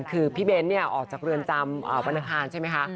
คือพี่เบนท์เนี่ยออกจากเรือนจำบรรทานใช่ไหมคะ